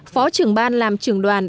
phó trưởng ban làm trưởng đoàn